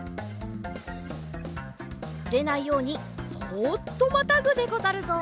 ふれないようにそっとまたぐでござるぞ。